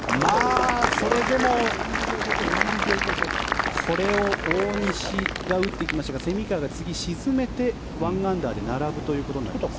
それでもこれを大西が打っていきましたが蝉川が次、沈めて１アンダーで並ぶということになりますね。